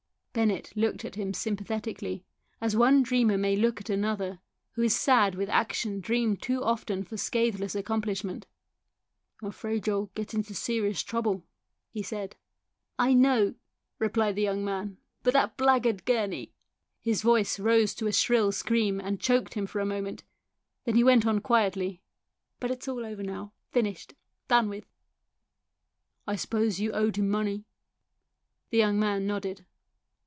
Bennett looked at him sympathetically, as one dreamer may look at another, who is sad with action dreamed too often for scatheless accomplishment. " I'm afraid you'll get into serious trouble," he said. " I know," replied the young man, " but that blackguard Gurney " His voice rose to a shrill scream and choked him for a moment. Then he went on quietly, " But it's all over now. Finished ! Done with 1 "" I suppose you owed him money ?" The young man nodded.